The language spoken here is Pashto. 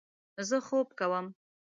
زه خوب کوم